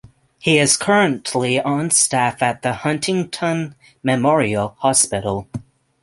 He is currently on staff at the Huntington Memorial Hospital.